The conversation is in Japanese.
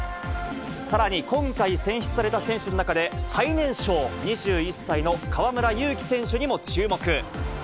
さらに、今回選出された選手の中で最年少、２１歳の河村勇輝選手にも注目。